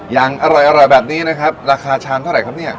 อย่างอร่อยแบบนี้นะครับราคาชามเท่าไหร่ครับเนี่ย